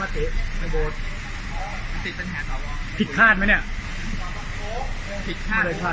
ว่าตอบเครื่องเวลา